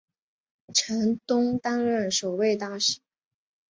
陈东担任首位大使。